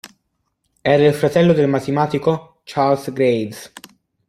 Era il fratello del matematico Charles Graves.